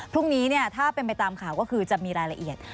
พรุ่งนี้ถ้าเป็นไปตามข่าวก็คือจะมีรายละเอียด